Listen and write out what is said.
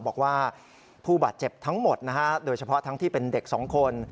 บอกว่าผู้บาดเจ็บทั้งหมดนะฮะโดยเฉพาะทั้งที่เป็นเด็กสองคน